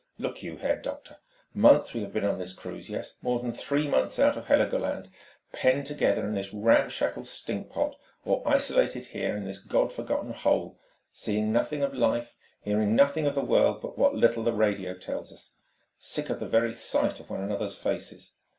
Look you, Herr Doctor: months we have been on this cruise, yes, more than three months out of Heligoland, penned together in this ramshackle stinkpot, or isolated here in this God forgotten hole, seeing nothing of life, hearing nothing of the world but what little the radio tells us sick of the very sight of one another's faces!